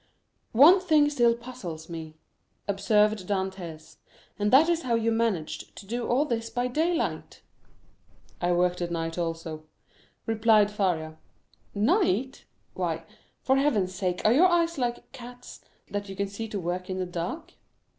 "One thing still puzzles me," observed Dantès, "and that is how you managed to do all this by daylight?" "I worked at night also," replied Faria. "Night!—why, for Heaven's sake, are your eyes like cats', that you can see to work in the dark?"